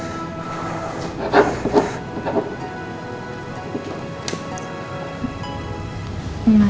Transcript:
masih di luar kotak pak